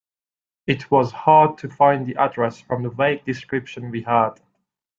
It was hard to find the address from the vague description we had.